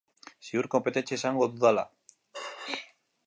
Ziur konpetentzia izango dudala.